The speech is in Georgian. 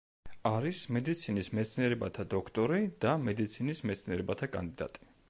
არის მედიცინის მეცნიერებათა დოქტორი და მედიცინის მეცნიერებათა კანდიდატი.